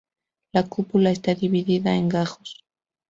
La cúpula está dividida en gajos.